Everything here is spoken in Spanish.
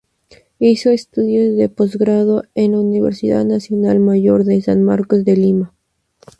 Hizo estudios de postgrado en la Universidad Nacional Mayor de San Marcos de Lima.